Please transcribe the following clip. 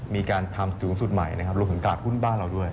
มีการทำสูงสุดใหม่นะครับรวมถึงตลาดหุ้นบ้านเราด้วย